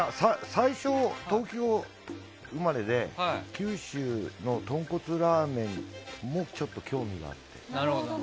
最初、東京生まれで九州のとんこつラーメンもちょっと興味があって。